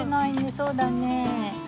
そうだねえ。